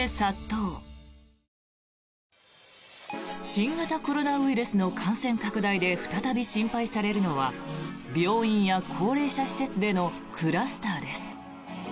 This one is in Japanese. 新型コロナウイルスの感染拡大で再び心配されるのは病院や高齢者施設でのクラスターです。